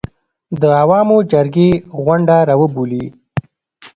د عوامو جرګې غونډه راوبولي.